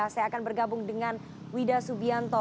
saya akan bergabung dengan wida subianto